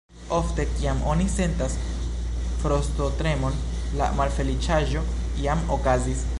Ofte, kiam oni sentas frostotremon, la malfeliĉaĵo jam okazis.